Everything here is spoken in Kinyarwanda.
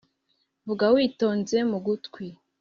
vuga witonze mu gutwi